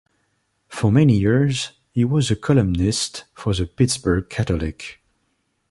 For many years, he was a columnist for the "Pittsburgh Catholic".